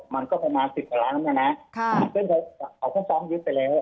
มันก็ประมาณสิบกว่าล้านน้ำเนี้ยนะค่ะเขาก็ป้องยึดไปแล้ว